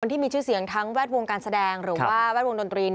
ที่มีชื่อเสียงทั้งแวดวงการแสดงหรือว่าแวดวงดนตรี